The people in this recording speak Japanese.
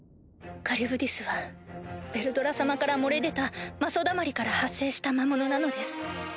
カリュブディスはヴェルドラ様から漏れ出た魔素だまりから発生した魔物なのです。